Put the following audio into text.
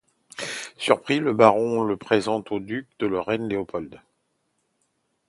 Surpris, le baron le présente au duc de Lorraine Léopold.